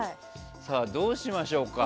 さあ、どうしましょうか。